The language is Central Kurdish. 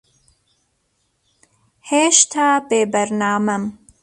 ھێشتا بێبەرنامەم.